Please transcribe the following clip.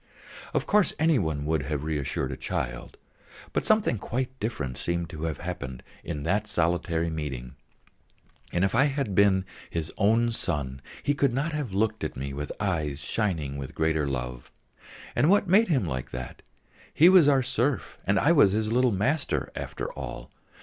Of course any one would have reassured a child, but something quite different seemed to have happened in that solitary meeting; and if I had been his own son, he could not have looked at me with eyes shining with greater love. And what made him like that? He was our serf and I was his little master, after all.